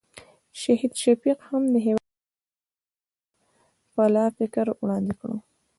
شهید شفیق هم د هېواد د نجات او فلاح فکر وړاندې کړ.